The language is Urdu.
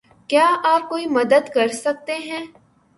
کیا آپ کوئی مدد کر سکتے ہیں؟